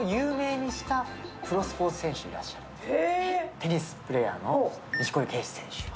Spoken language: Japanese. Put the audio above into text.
テニスプレーヤーの錦織圭選手。